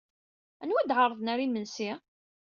Anwa ay d-ɛerḍen ɣer yimsensi?